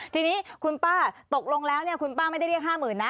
ทีนี้คุณป้าตกลงแล้วเนี่ยคุณป้าไม่ได้เรียกค่าหมื่นนะ